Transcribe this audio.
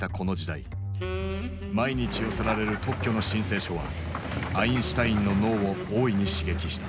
毎日寄せられる特許の申請書はアインシュタインの脳を大いに刺激した。